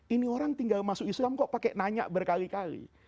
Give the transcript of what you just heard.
ini orang tinggal masuk islam kok pakai nanya berkali kali